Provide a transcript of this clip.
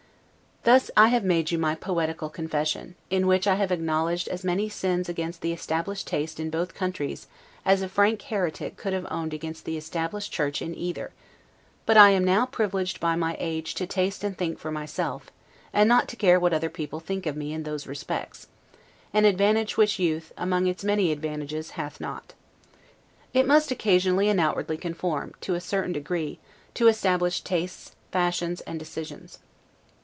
Thus I have made you my poetical confession; in which I have acknowledged as many sins against the established taste in both countries, as a frank heretic could have owned against the established church in either, but I am now privileged by my age to taste and think for myself, and not to care what other people think of me in those respects; an advantage which youth, among its many advantages, hath not. It must occasionally and outwardly conform, to a certain degree, to establish tastes, fashions, and decisions.